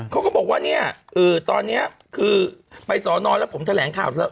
เขาก็บอกว่าเนี่ยตอนนี้คือไปสอนอนแล้วผมแถลงข่าวเถอ